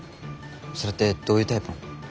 それってどういうタイプの？